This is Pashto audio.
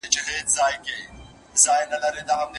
موږ يې کله بخښلو .